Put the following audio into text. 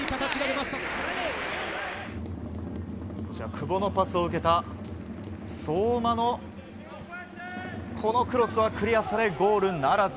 久保のパスを受けた相馬のこのクロスはクリアされ、ゴールならず。